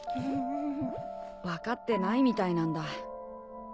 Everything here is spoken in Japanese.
分かってないみたいなんだ。